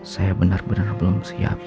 saya benar benar belum siap